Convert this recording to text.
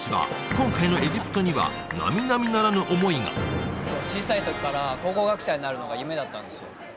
今回のエジプトには並々ならぬ思いが小さい時から考古学者になるのが夢だったんですよ